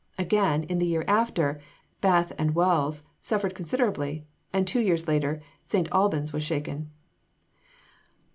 Again, in the year after, Bath and Wells suffered considerably; and two years later St. Albans was shaken.